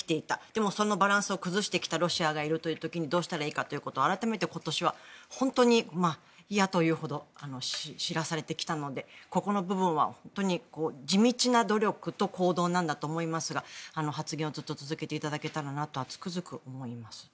でもそのバランスを崩してきたロシアがいるという時にどうしたらいいかということを改めて今年は本当に嫌というほど知らされてきたのでここの部分は本当に地道な努力と行動なんだと思いますが発言をずっと続けていただけたらと思います。